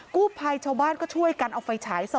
กู้ภัยชาวบ้านก็ช่วยกันเอาไฟฉาย